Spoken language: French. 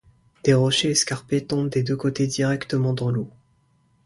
Des rochers escarpés tombent des deux côtés directement dans l'eau.